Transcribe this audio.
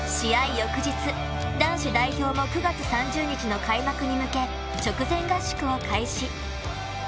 翌日、男子代表の９月３０日の開幕に向け直前合宿を開始。